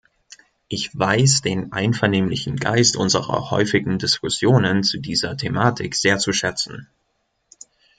Ich weiß den einvernehmlichen Geist unserer häufigen Diskussionen zu dieser Thematik sehr zu schätzen.